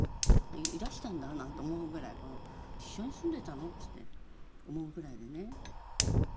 いらしたんだなんて思うぐらい、一緒に住んでたの？って思うぐらいでね。